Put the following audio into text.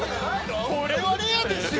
これはレアですよ！